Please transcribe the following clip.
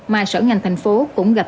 mà sở ngành tp hcm cũng gặp